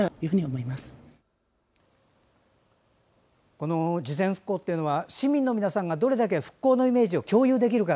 この事前復興というのは市民の皆さんがどれだけ復興のイメージを共有できるか。